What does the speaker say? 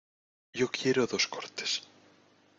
Yo quiero dos cortes.